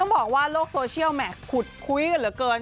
เขาบอกว่าโลกโซเชียลแม็กซ์ขุดคุ้ยกันเหลือเกิน